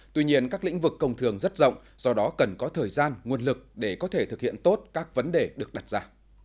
tuy nhiên các lĩnh vực công thường rất rộng do đó cần có thời gian nguồn lực để có thể thực hiện tốt các vấn đề được đặt ra